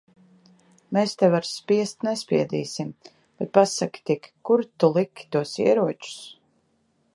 Mēs tev ar spiest nespiedīsim. Bet pasaki tik, kur tu liki tos ieročus?